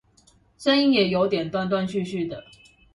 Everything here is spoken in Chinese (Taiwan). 聲音也有點斷斷續續的